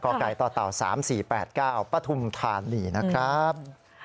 กไก่ต่อเต่า๓๔๘๙ปฐุมธานีนะครับ